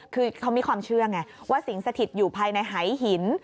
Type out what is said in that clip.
คือเขามีความเชื่อไงว่าสิงสถิตอยู่ภายในหายหิน